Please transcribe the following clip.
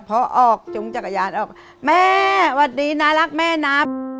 พอออกจุงจักรยานออกแม่สวัสดีน่ารักแม่นับ